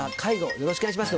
よろしくお願いします